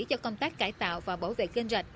cho công tác cải tạo và bảo vệ kênh rạch